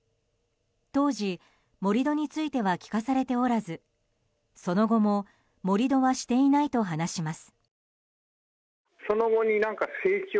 当時、盛り土については聞かされておらずその後も盛り土はしていないと話します。